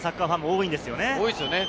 多いですよね。